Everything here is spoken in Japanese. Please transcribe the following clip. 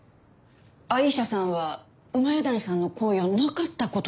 アイシャさんは谷さんの行為をなかった事にしたがっています。